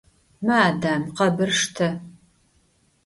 Ma, Adam, khebır şşte!